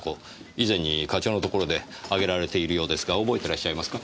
以前に課長のところで挙げられているようですが覚えてらっしゃいますか？